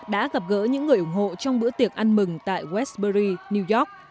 đã gặp gỡ những người ủng hộ trong bữa tiệc ăn mừng tại westberry new york